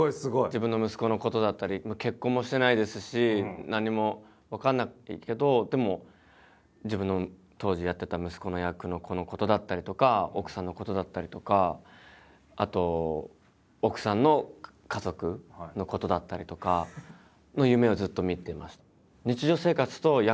自分の息子のことだったり結婚もしてないですし何も分かんないけどでも自分の当時やってた息子の役の子のことだったりとか奥さんのことだったりとかあと奥さんの家族のことだったりとかの夢をずっと見てました。